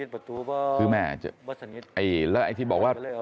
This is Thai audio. ผู้แม่เจอเอ๋ออะไรที่บอกว่า